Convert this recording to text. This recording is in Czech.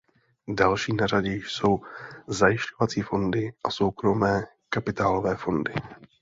Další na řadě jsou zajišťovací fondy a soukromé kapitálové fondy.